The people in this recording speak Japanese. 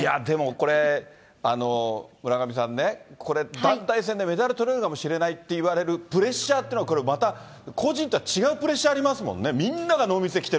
でも、これ村上さんね、これ、団体戦でメダルとれるかもしれないっていわれるプレッシャーっていうのはこれ、また個人とは違うプレッシャーありますもんね。